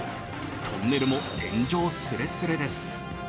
トンネルも天井すれすれです。